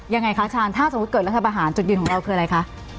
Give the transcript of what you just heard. ยังไงคะชาญถ้าสมมุติเกิดรัฐบาหารจุดยืนของเราคืออะไรคะ